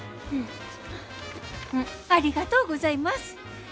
ありがとうございます。